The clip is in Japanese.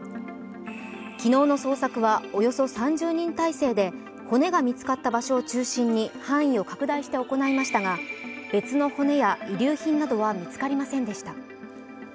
昨日の捜索は、およそ３０人態勢で骨が見つかった場所を中心に範囲を拡大して行いましたが別の骨や遺留品などは見つかりませんでした。